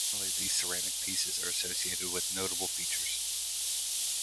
Normally these ceramic pieces are associated with notable features.